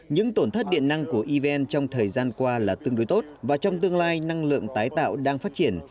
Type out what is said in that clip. những tổn thất điện năng của evn trong thời gian qua là tương đối tốt và trong tương lai năng lượng tái tạo đang phát triển